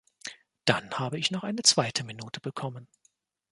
Dann habe ich noch eine zweite Minute bekommen.